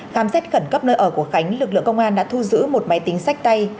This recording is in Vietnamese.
khám xét khẩn cấp nơi ở của khánh lực lượng công an đã thu giữ một máy tính sách tay